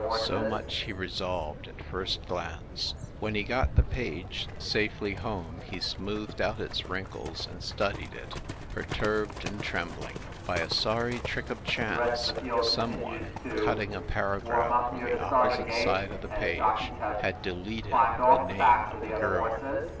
So much he resolved at first glance. When he got the page safely home he smoothed out its wrinkles and studied it, perturbed and trem bling. By a sorry trick of chance some one, cutting a paragraph from the opposite side of the page, had deleted the name of the girl.